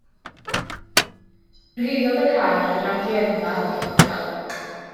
Cyrhaeddodd y car yr amgueddfa yn ddiogel.